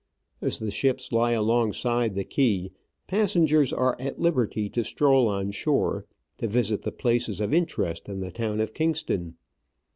As the ships lie alongside the quay, passengers are at liberty to stroll on shore to visit the places of interest in the town of Kingston.